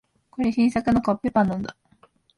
これ、新作のコッペパンなんだ。